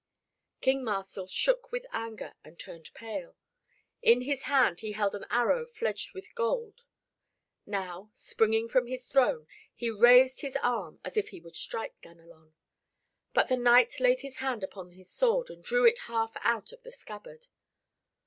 King Marsil shook with anger and turned pale. In his hand he held an arrow fledged with gold. Now, springing from his throne, he raised his arm as if he would strike Ganelon. But the knight laid his hand upon his sword and drew it half out of the scabbard.